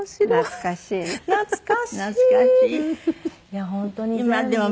いや本当に全部。